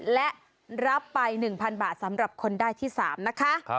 และรับไป๑๐๐๐บาทสำหรับคนได้ที่๓นะคะ